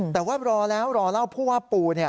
แต่ว่ารอแล้วรอเล่าผู้ว่าปู